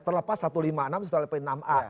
terlepas satu ratus lima puluh enam serta telepon enam a